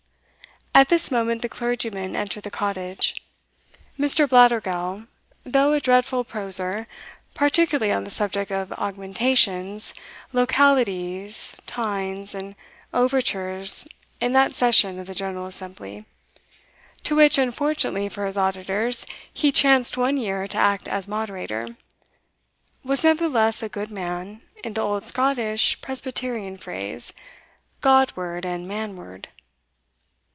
At this moment the clergyman entered the cottage. Mr. Blattergowl, though a dreadful proser, particularly on the subject of augmentations, localities, teinds, and overtures in that session of the General Assembly, to which, unfortunately for his auditors, he chanced one year to act as moderator, was nevertheless a good man, in the old Scottish presbyterian phrase, God ward and man ward.